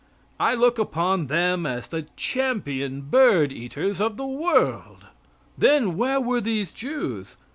I look upon them as the champion bird eaters of the world. Then where were these Jews?